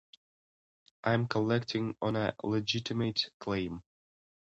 I'm collecting on a legitimate claim.